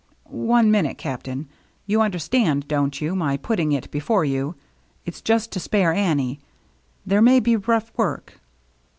" One minute. Captain. You understand, don't you, my putting it before you ? It's just to spare Annie. There may be rough work."